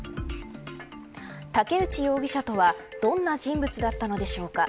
武内容疑者とはどんな人物だったのでしょうか。